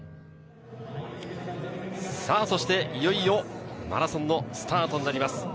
いよいよマラソンのスタートになります。